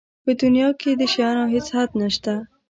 په دنیا کې د شیانو هېڅ حد نشته.